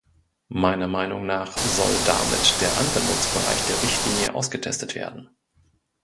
Meiner Meinung nach soll damit der Anwendungsbereich der Richtlinie ausgetestet werden.